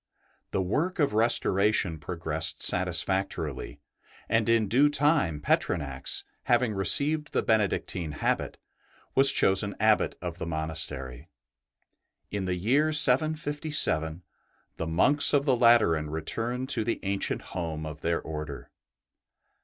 The work of restoration progressed satis factorily, and in due time Petronax, having •37726, 100 ST. BENEDICT received the Benedictine habit, was chosen Abbot of the monastery. In the year 757 the monks of the Lateran returned to the ancient home of their Order.